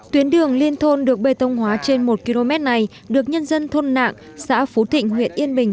tuyến đường liên thôn được bê tông hóa trên một km này được nhân dân thôn nạng xã phú thịnh huyện yên bình